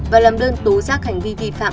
và làm đơn tố giác hành vi vi phạm